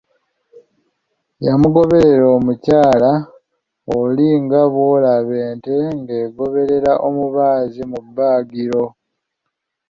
Yamugoberera omukyala oli nga bwolaba ente ng'egoberera omubaazi mu bbaagiro!